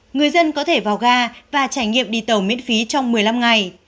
người dân có thể vào ga và trải nghiệm đi tàu miễn phí trong một mươi năm ngày